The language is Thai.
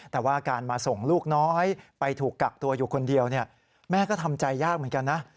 แต่ว่าการมาส่งลูกน้อยไปถูกกักตัวอยู่คนเดียวแม่ก็ทำใจยากเหมือนกันนะ